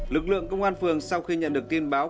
lực lượng công an phường sau khi nhận được tin báo